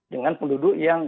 dengan penduduk yang